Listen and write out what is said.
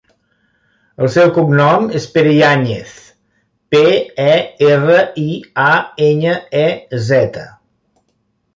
El seu cognom és Periañez: pe, e, erra, i, a, enya, e, zeta.